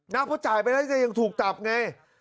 เพราะจ่ายไปแล้วจะยังถูกจับไง